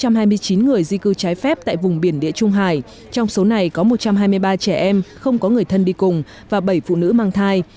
trong hai mươi chín người di cư trái phép tại vùng biển địa trung hải trong số này có một trăm hai mươi ba trẻ em không có người thân đi cùng và bảy phụ nữ mang thai